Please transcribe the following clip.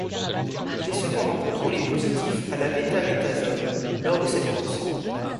Il est cependant contrôlé positif à la bétaméthasone lors de cette course.